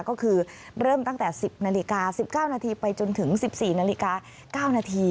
ก็คือเริ่มตั้งแต่๑๐นาฬิกา๑๙นาทีไปจนถึง๑๔นาฬิกา๙นาที